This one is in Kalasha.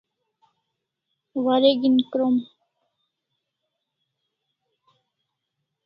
Wareg'in krom